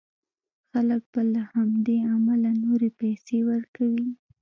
خلک به له همدې امله نورې پيسې ورکوي.